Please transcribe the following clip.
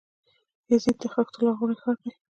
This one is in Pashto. یزد د خښتو لرغونی ښار دی.